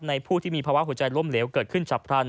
ผู้ที่มีภาวะหัวใจล้มเหลวเกิดขึ้นฉับพลัน